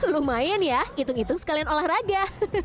lumayan ya hitung hitung sekalian olahraga